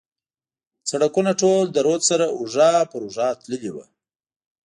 سړکونه ټول له رود سره اوږه پر اوږه تللي و.